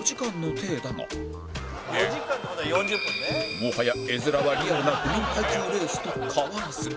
もはや絵面はリアルな不眠耐久レースと変わらず